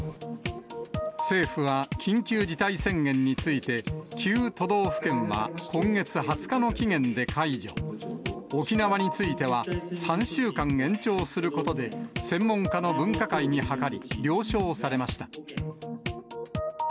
政府は緊急事態宣言について、９都道府県は今月２０日の期限で解除、沖縄については、３週間延長することで、専門家の分科会に諮り、了承されました。